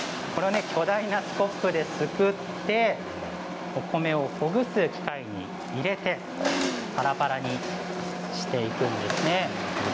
巨大なスコップですくってお米をほぐす機械に入れてぱらぱらにしていくんですね。